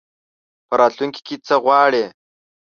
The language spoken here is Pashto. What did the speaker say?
په راتلونکي کي څه غواړې ؟